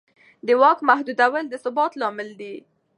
د واک محدودول د ثبات لامل دی